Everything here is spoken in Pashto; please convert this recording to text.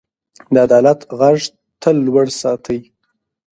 د عدالت غږ تل لوړ ساتئ.